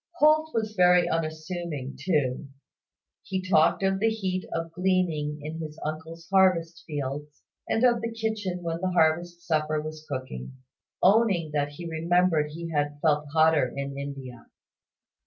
Holt was very unassuming too. He talked of the heat of gleaning in his uncle's harvest fields, and of the kitchen when the harvest supper was cooking; owning that he remembered he had felt hotter in India.